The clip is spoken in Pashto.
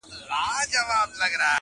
باور نسته یو په بل، سره وېریږي،